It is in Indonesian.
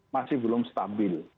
masih belum stabil